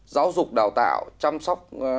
giáo dục đào tạo chăm sóc